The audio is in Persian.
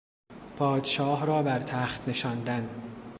پادشاه را بر تخت نشاندن